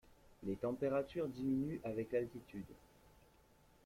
Les températures diminuent avec l'altitude.